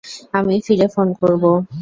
আমি ফিরে ফোন করব।